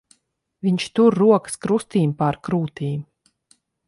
Viņš tur rokas krustīm pār krūtīm.